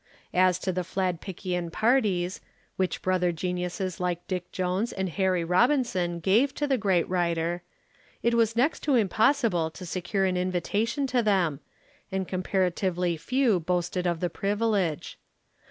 As to the Fladpickian parties, which brother geniuses like Dick Jones and Harry Robinson gave to the great writer, it was next to impossible to secure an invitation to them, and comparatively few boasted of the privilege.